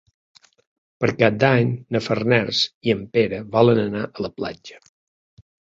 Per Cap d'Any na Farners i en Pere volen anar a la platja.